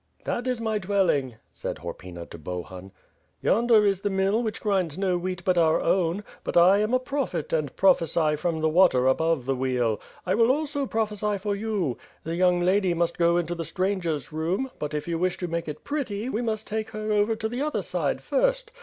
"That is my dwelling," said Horpyna to Bohun. Yonder is the mill which grinds no wheat but our own; but I am a prophet, and prophesy from the water above the wheel. I will also prophesy for you. The young lady must go into the stranger's room but, if you wish to make it pretty, we must take her over to the other side first.